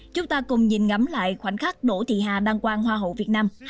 chúng ta cùng nhìn ngắm lại khoảnh khắc đỗ thị hà đăng quan hoa hậu việt nam hai nghìn hai mươi